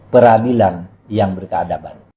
peradilan yang berkeadaban